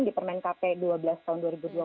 di permen kp dua belas tahun dua ribu dua puluh